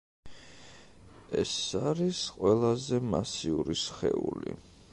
ეს არის ყველაზე მასიური სხეული.